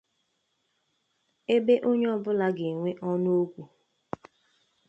Ebe onye ọbụla ga-enwe ọnụ okwu